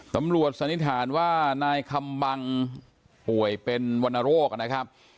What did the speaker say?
สันนิษฐานว่านายคำบังป่วยเป็นวรรณโรคนะครับ